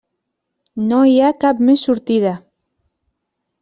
No hi ha cap més sortida.